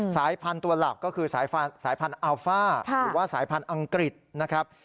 สายพันธุ์ตัวหลักก็คือสายพันธุ์อัลฟ่าหรือว่าสายพันธุ์อังกฤษนะครับ